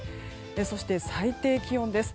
そして、最低気温です。